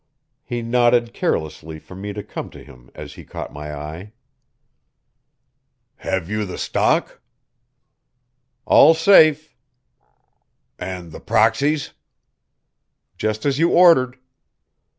He nodded carelessly for me to come to him as he caught my eye. "You have the stock?" "All safe." "And the proxies?" "Just as you ordered."